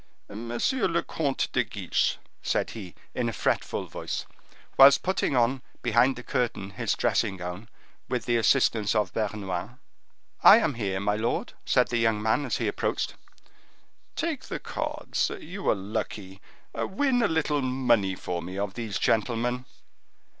"M. le Comte de Guiche," said he, in a fretful voice, whilst putting on, behind the curtain, his dressing gown, with the assistance of Bernouin. "I am here, my lord," said the young man, as he approached. "Take my cards, you are lucky. Win a little money for me of these gentlemen."